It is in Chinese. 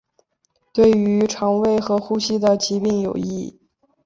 对于胃肠和呼吸的疾病有益。